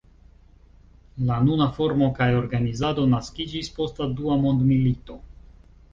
La nuna formo kaj organizado naskiĝis post la Dua mondmilito.